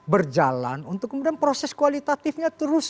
berjalan untuk kemudian proses kualitatifnya terus